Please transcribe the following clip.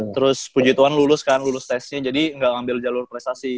terus puji tuhan lulus kan lulus tesnya jadi nggak ngambil jalur prestasi